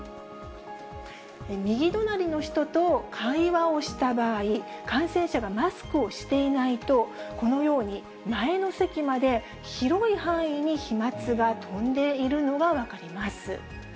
右隣の人と会話をした場合、感染者がマスクをしていないと、このように、前の席まで、広い範囲に飛まつが飛んでいるのが分かります。